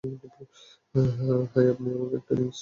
High, আপনি কি আমাকে একটা ডিংক্স কিনে দিতে পারবেন?